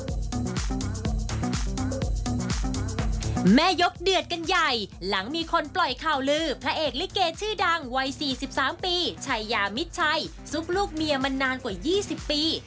แม่ยกเดือดกันใหญ่หลังมีคนปล่อยข่าวลือพระเอกลิเกชื่อดังวัย๔๓ปีชัยยามิดชัยซุกลูกเมียมานานกว่า๒๐ปี